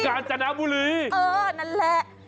กาญจนบุรีเออนั่นแหละ